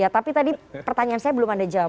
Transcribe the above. tapi tadi pertanyaan saya belum anda jawab